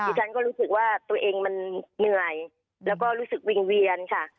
ฉันก็รู้สึกว่าตัวเองมันเหนื่อยแล้วก็รู้สึกวิ่งเวียนค่ะ